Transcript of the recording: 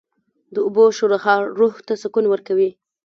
د اوبو شرهار روح ته سکون ورکوي